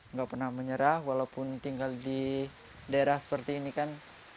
nggak pernah menyerah walaupun tinggal di daerah seperti ini kan